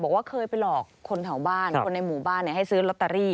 บอกว่าเคยไปหลอกคนแถวบ้านคนในหมู่บ้านให้ซื้อลอตเตอรี่